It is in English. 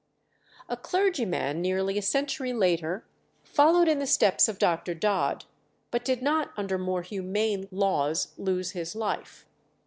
A clergyman nearly a century later followed in the steps of Dr. Dodd, but did not under more humane laws lose his life.